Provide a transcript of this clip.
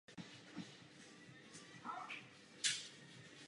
Zde začali Gótové působit nepřátelům značné škody.